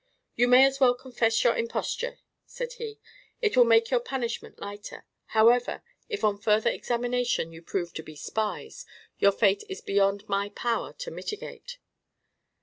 "You may as well confess your imposture," said he. "It will make your punishment lighter. However, if on further examination you prove to be spies, your fate is beyond my power to mitigate."